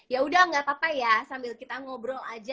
ya udah gak apa apa ya sambil kita ngobrol aja